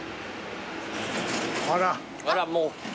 あらもう。